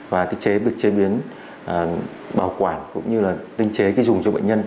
và việc chế biến bảo quản cũng như là tinh chế dùng cho bệnh nhân